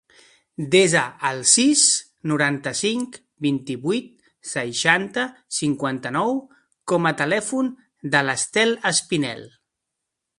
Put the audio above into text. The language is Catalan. Desa el sis, noranta-cinc, vint-i-vuit, seixanta, cinquanta-nou com a telèfon de l'Estel Espinel.